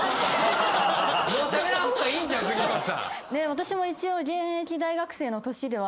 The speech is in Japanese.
私も一応。